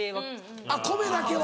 あっ米だけは。